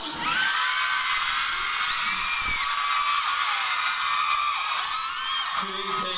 ล้อไม่เป็นไง